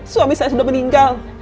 suami saya sudah meninggal